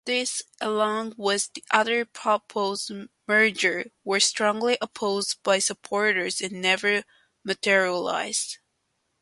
This, along with other proposed mergers, were strongly opposed by supporters and never materialised.